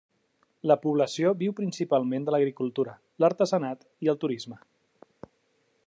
La població viu principalment de l'agricultura, l'artesanat i el turisme.